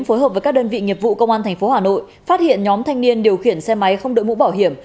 phối hợp với các đơn vị nghiệp vụ công an tp hà nội phát hiện nhóm thanh niên điều khiển xe máy không đội mũ bảo hiểm